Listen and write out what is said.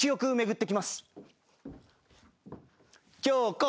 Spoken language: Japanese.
京子。